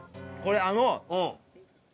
これあの。